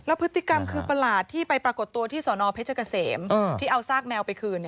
พฤติกรรมคือประหลาดที่ไปปรากฏตัวที่สอนอเพชรเกษมที่เอาซากแมวไปคืน